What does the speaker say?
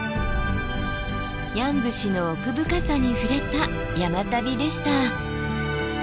山伏の奥深さに触れた山旅でした。